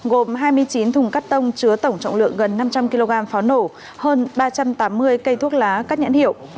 gồm hai mươi chín thùng cắt tông chứa tổng trọng lượng gần năm trăm linh kg pháo nổ hơn ba trăm tám mươi cây thuốc lá các nhãn hiệu